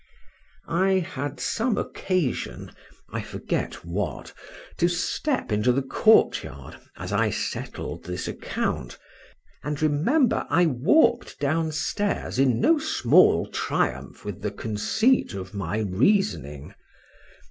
I had some occasion (I forget what) to step into the court yard, as I settled this account; and remember I walk'd down stairs in no small triumph with the conceit of my reasoning.